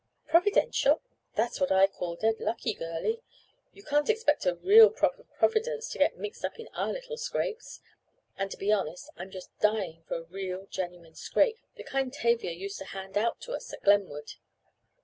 "Providential? That's what I call dead lucky, girlie. You can't expect a real proper providence to get mixed up in all our little scrapes. And, to be honest, I'm just dying for a real genuine scrape. The kind Tavia used to 'hand out' to us at Glenwood."